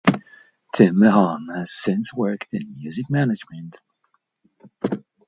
Tim Mahon has since worked in music management.